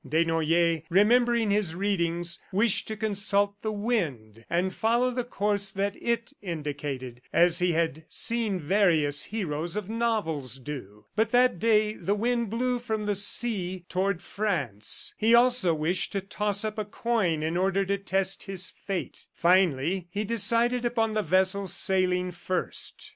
... Desnoyers, remembering his readings, wished to consult the wind and follow the course that it indicated, as he had seen various heroes of novels do. But that day the wind blew from the sea toward France. He also wished to toss up a coin in order to test his fate. Finally he decided upon the vessel sailing first.